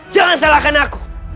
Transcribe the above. jangan salahkan aku